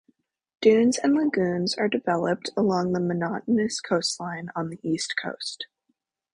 Dunes and lagoons are developed along the monotonous coastline on the east coast.